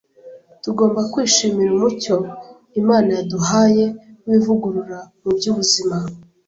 Tugomba kwishimira umucyo Imana yaduhaye w’ivugurura mu by’ubuzima,